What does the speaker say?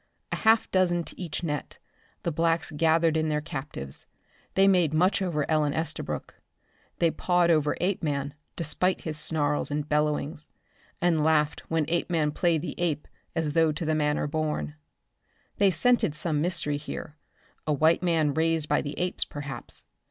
A half dozen to each net, the blacks gathered in their captives. They made much over Ellen Estabrook. They pawed over Apeman despite his snarls and bellowings, and laughed when Apeman played the ape as though to the manner born. They scented some mystery here, a white man raised by the apes, perhaps.